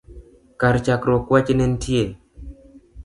Kar chakruok wach ne ntie